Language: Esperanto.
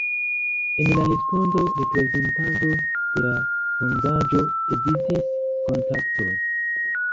En la respondo reprezentanto de la fondaĵo evitis kontakton.